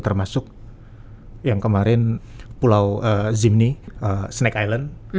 termasuk yang kemarin pulau zimny snake island